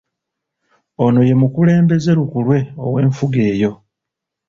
Ono ye mukulembeze lukulwe ow'enfuga eyo.